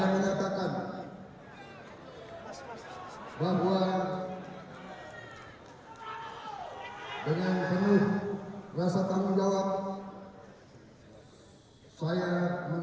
saya meletakkan bahwa dengan penuh rasa tanggung jawab saya menerima